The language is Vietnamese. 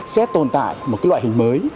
sẽ tồn tại một loại hình mới